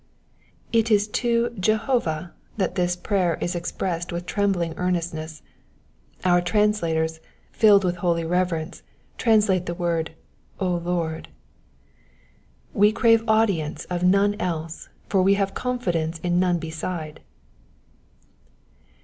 It is to Jehovah that this prayer is expressed with tremb ling earnestness — our translators, filled with holy reverence, translate the word, O Lord." We crave audience of none else, for we have confidence in none beside.